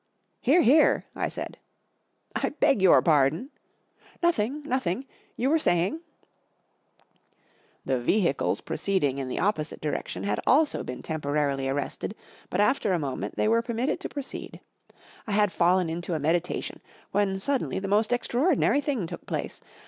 44 Hear, hear !" I said. 44 I beg your pardon ?" 44 Nothing, nothing. You were saying " 44 The vehicles proceeding in the opposite direction had also been temporarily arrested, but after a moment they were permitted to proceed. I had fallen into a meditation, when suddenly the most extraordinary thing took place.